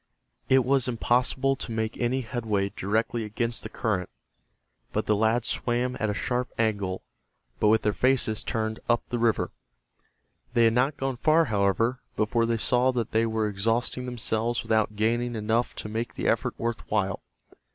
It was impossible to make any headway directly against the current, and the lads swam at a sharp angle but with their faces turned up the river. They had not gone far, however, before they saw that they were exhausting themselves without gaining enough to make the effort worth while.